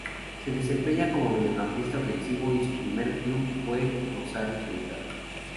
Se desempeña como mediocampista ofensivo y su primer club fue Rosario Central.